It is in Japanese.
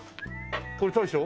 これ大将？